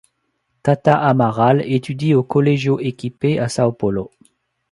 Tata Amaral étudie au Colégio Equipe à São Paulo.